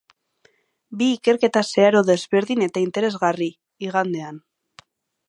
Bi ikerketa zeharo desberdin eta interesgarri, igandean.